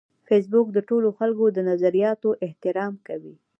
فېسبوک د ټولو خلکو د نظریاتو احترام کوي